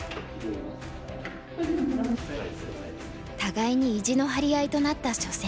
互いに意地の張り合いとなった初戦。